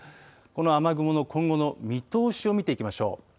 この雨雲の今後の見通しを見ていきましょう。